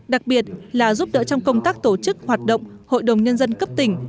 đặc biệt là giúp đỡ trong công tác tổ chức hoạt động hội đồng nhân dân cấp tỉnh